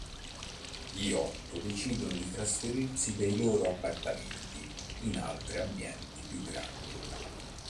Gli otto decidono di trasferirsi dai loro appartamenti in altre ambienti più grandi.